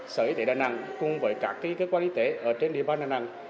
sở y tế đà nẵng cùng với các cơ quan y tế ở trên địa bàn đà nẵng